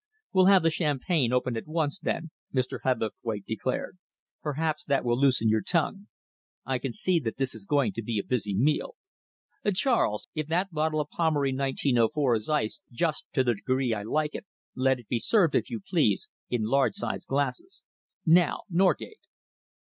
"We'll have the champagne opened at once, then," Mr. Hebblethwaite declared. "Perhaps that will loosen your tongue. I can see that this is going to be a busy meal. Charles, if that bottle of Pommery 1904 is iced just to the degree I like it, let it be served, if you please, in the large sized glasses. Now, Norgate."